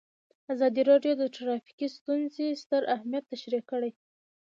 ازادي راډیو د ټرافیکي ستونزې ستر اهميت تشریح کړی.